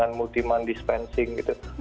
jadi ini adalah hal yang sangat penting